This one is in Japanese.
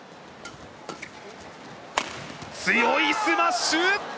強いスマッシュ。